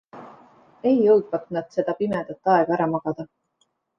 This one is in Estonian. Ei jõudvat nad seda pimedat aega ära magada.